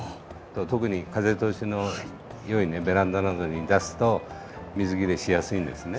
特に風通しの良いベランダなどに出すと水切れしやすいんですね。